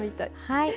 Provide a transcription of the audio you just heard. はい。